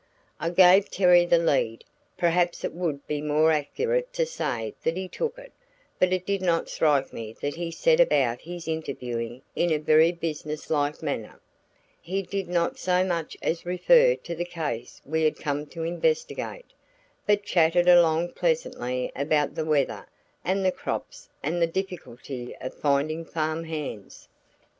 I gave Terry the lead perhaps it would be more accurate to say that he took it but it did not strike me that he set about his interviewing in a very business like manner. He did not so much as refer to the case we had come to investigate, but chatted along pleasantly about the weather and the crops and the difficulty of finding farm hands.